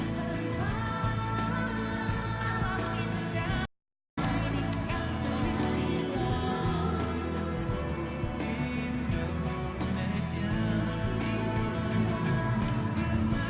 mewakili panglima angkatan bersenjata singapura